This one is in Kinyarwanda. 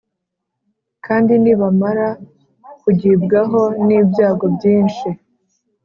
Kandi nibamara kugibwaho n ibyago byinshi